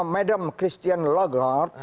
madam christian lagarde